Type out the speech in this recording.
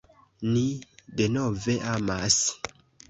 Ni denove amas.